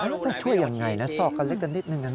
มันก็จะช่วยอย่างไรนะซอกกันเล็กกันนิดหนึ่ง